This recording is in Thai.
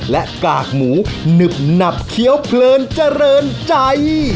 และกากหมูหนึบหนับเคี้ยวเพลินเจริญใจ